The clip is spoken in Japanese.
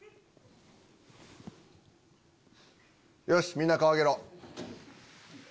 よしみんな顔上げろ。